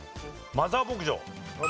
マザー牧場。